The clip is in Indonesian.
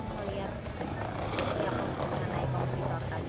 setiap orang yang naik komputer tadi